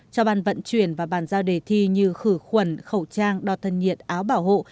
cho bàn vận chuyển và bàn giao đề thi như khử khuẩn khẩu trang đo thân nhiệt áo bảo hộ